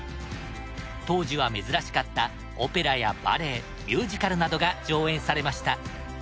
当時は珍しかったオペラやバレエミュージカルなどが上演されました。